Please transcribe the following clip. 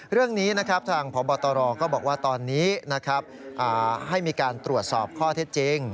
เรื่องนี้นะครับทางพบตรก็บอกว่าตอนนี้นะครับให้มีการตรวจสอบข้อเท็จจริง